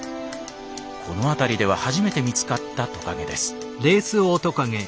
この辺りでは初めて見つかったトカゲです。